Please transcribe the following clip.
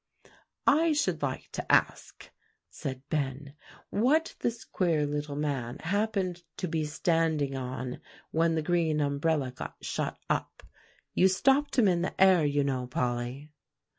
"I should like to ask," said Ben, "what this queer little man happened to be standing on when the green umbrella got shut up? You stopped him in the air, you know, Polly."